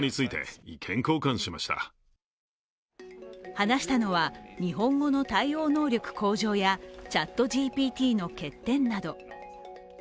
話したのは日本語の対応能力向上やＣｈａｔＧＰＴの欠点など。